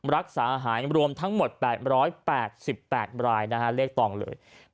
รักษาอาหารรวมทั้งหมด๘๘๘รายเลขต่องเลย